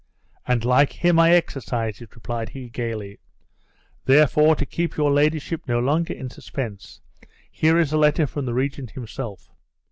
"And like him I exercise it," replied he, gayly; "therefore, to keep your ladyship no longer in suspense, here is a letter from the regent himself."